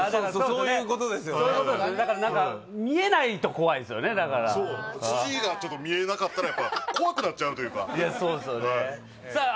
そういうことですよだから何か見えないと怖いですよねだからそう筋がちょっと見えなかったらやっぱ怖くなっちゃうというかいやそうですよねさあ